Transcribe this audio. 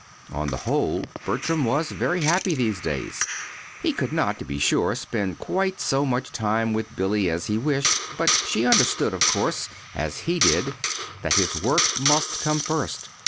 On the whole, Bertram was very happy these days. He could not, to be sure, spend quite so much time with Billy as he wished; but she understood, of course, as did he, that his work must come first.